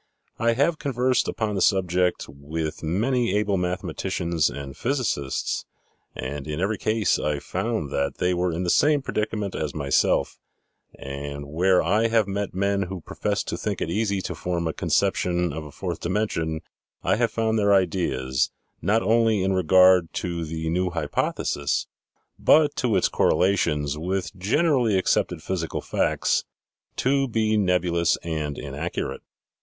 I have conversed upon the subject with many able mathe maticians and physicists, and in every case I found that they were in the same predicament as myself, and where I have met men who professed to think it easy to form a conception of a fourth dimension, I have found their ideas, not only in regard to the new hypothesis, but to its corre 117 Il8 THE SEVEN FOLLIES OF SCIENCE lations with generally accepted physical facts, to be nebu lous and inaccurate.